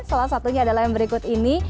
salah satunya adalah yang berikut ini